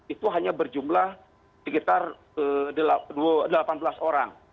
itu hanya berjumlah sekitar delapan belas orang